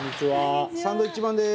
サンドウィッチマンです！